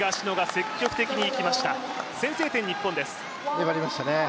粘りましたね。